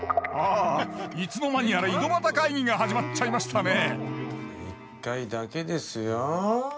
あいつの間にやら井戸端会議が始まっちゃいましたね一回だけですよ。